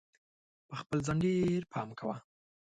په خپل ځان ډېر پام کوه!